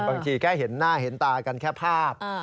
แค่เห็นหน้าเห็นตากันแค่ภาพ